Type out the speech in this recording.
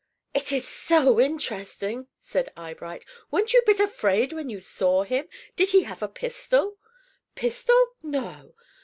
"It is so interesting," said Eyebright. "Weren't you a bit afraid when you saw him? Did he have a pistol?" "Pistol? No.